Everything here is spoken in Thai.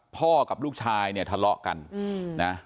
กับลูกชายเนี่ยทะเลาะกันนะ